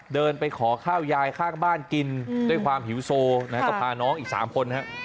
เดินไปขอข้าวยายข้างบ้านกินด้วยความหิวโซนะฮะก็พาน้องอีก๓คนฮะ